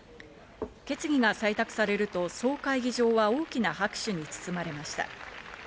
決議が採択されると総会議場は大きな拍手に包まれました。